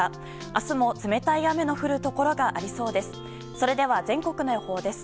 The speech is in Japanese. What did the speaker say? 明日も冷たい雨の降るところがありそうです。